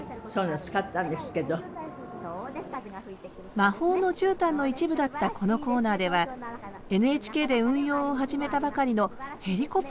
「魔法のじゅうたん」の一部だったこのコーナーではＮＨＫで運用を始めたばかりのヘリコプターを使用。